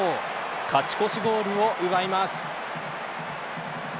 勝ち越しゴールを奪います。